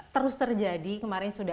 terus terjadi kemarin sudah